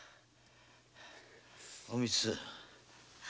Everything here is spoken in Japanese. おみつ。